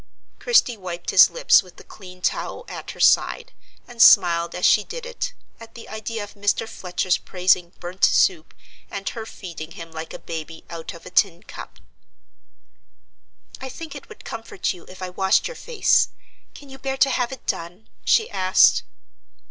Christie wiped his lips with the clean towel at her side, and smiled as she did it, at the idea of Mr. Fletcher's praising burnt soup, and her feeding him like a baby out of a tin cup. "I think it would comfort you if I washed your face: can you bear to have it done?" she asked.